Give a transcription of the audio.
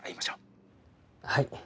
はい。